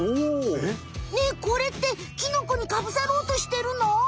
ねえこれってキノコにかぶさろうとしてるの？